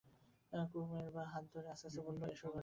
কুমুর বাঁ হাত ধরে আস্তে আস্তে বললে, এসো ঘরে।